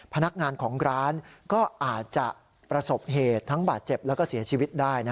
พนักงานของร้านก็อาจจะประสบเหตุทั้งบาดเจ็บแล้วก็เสียชีวิตได้